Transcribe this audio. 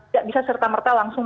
tidak bisa serta merta langsung